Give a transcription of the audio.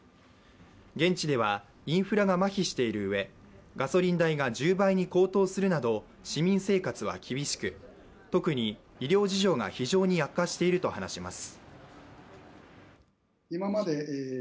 現地ではインフラがまひしているうえ、ガソリン代が１０倍に高騰するなど市民生活は厳しく特に医療事情が非常に悪化していると話します。